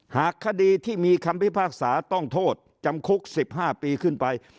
หากคดีที่มีคำพิพากษาต้องโทษจำคุก๑๕ปีขึ้นไป